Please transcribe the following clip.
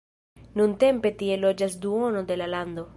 Nuntempe tie loĝas duono de la lando.